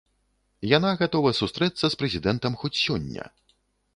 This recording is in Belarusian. Яна гатова сустрэцца з прэзідэнтам хоць сёння.